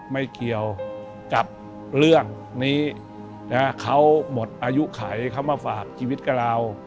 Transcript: ไม่เกี่ยวกับเรื่องนี้เขาหมดอายุไขเขามาฝากชีวิตกับเรา